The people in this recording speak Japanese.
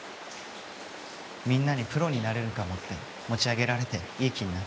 みんなにプロになれるかもって持ち上げられていい気になって。